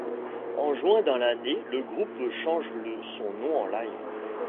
En juin dans l'année, le groupe change son nom en Live.